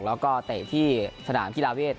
แล้วก็ไตที่สนามฮีลาเวส